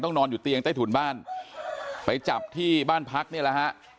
นอนอยู่เตียงใต้ถุนบ้านไปจับที่บ้านพักเนี่ยแหละฮะ